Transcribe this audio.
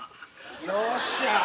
よっしゃ。